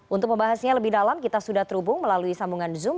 untuk membahasnya lebih dalam kita sudah terhubung melalui sambungan zoom